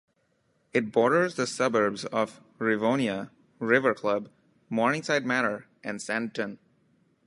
It borders the suburbs of Rivonia, Riverclub, Morningside Manor and Sandton.